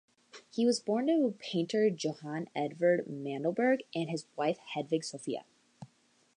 He was born to painter Johan Edvard Mandelberg and his wife Hedvig Sophia.